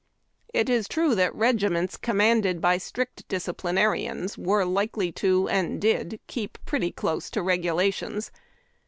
It is true that regiments commanded by strict disciplinarians ^A^ere likely to and did keep pretty close to regulations.